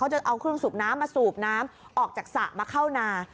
จะเอาเครื่องสูบน้ำมาสูบน้ำออกจากสระมาเข้านา